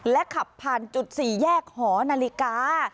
และขับผ่านจุดสี่แยกหัวนาฬิกา